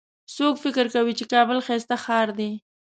څوک فکر کوي چې کابل ښایسته ښار ده